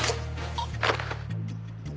あっ。